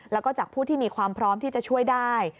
แล้วก็จากผู้ที่มีความพร้อมที่จะช่วยได้